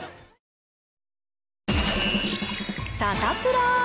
サタプラ。